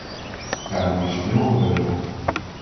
Daar moet dus veel gebeuren.